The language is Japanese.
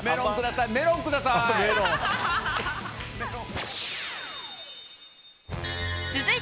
メロンください！